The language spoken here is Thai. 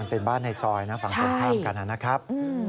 มันเป็นบ้านในซอยนะฝั่งข้างข้ามกันนั้นนะครับ